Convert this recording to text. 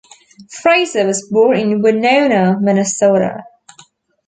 Fraser was born in Winona, Minnesota.